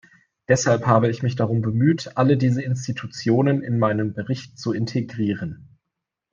Deshalb habe ich mich darum bemüht, alle diese Institutionen in meinen Bericht zu integrieren.